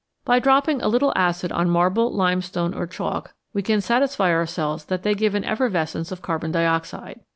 By dropping a little acid on marble, limestone, or chalk, we can satisfy ourselves that they give an effer vescence of carbon dioxide.